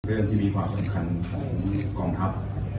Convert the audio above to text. เรื่องที่มีความสำคัญของกองทัพ